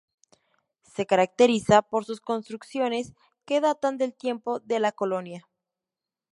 Se caracteriza por sus construcciones que datan del tiempo de la Colonia.